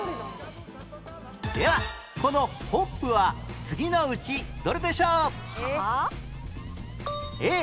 ではこのホップは次のうちどれでしょう？